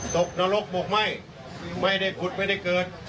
กนรกบกไหม้ไม่ได้ขุดไม่ได้เกิด